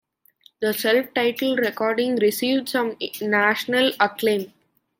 The self-titled recording received some national acclaim.